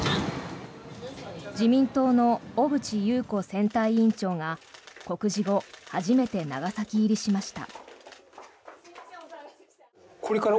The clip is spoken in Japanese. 自民党の小渕優子選対委員長が告示後初めて長崎入りしました。